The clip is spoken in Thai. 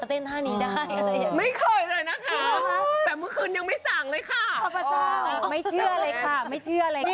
ให้เต้นท่านีไม่เคยเลยนะคะแต่มรึงไปสั่งเลยค่ะไม่เจอเลยค่ะไม่เจอเลยค่ะ